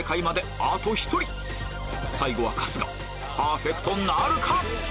最後は春日パーフェクトなるか